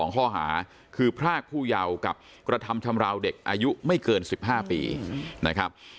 ข้อหาคือพรากผู้เยาว์กับกระทำชำราวเด็กอายุไม่เกิน๑๕ปีนะครับ